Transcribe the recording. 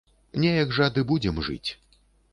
Неяк жа ды будзем жыць.